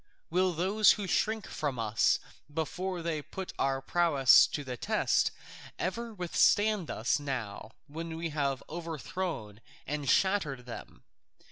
Will those who shrink from us before they put our prowess to the test ever withstand us now when we have overthrown and shattered them?